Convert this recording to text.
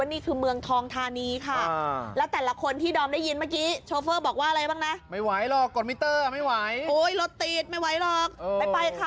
มิเตอร์ก็ไม่ไหวโอ๊ยรถตีดไม่ไหวหรอกไปครับมิเตอร์ไปครับ